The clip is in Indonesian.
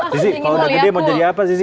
zizi kalau udah gede mau jadi apa zizi